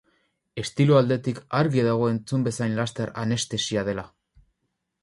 Estilo aldetik argi dago entzun bezain laster Anestesia dela.